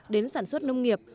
đến sản xuất nông nghiệp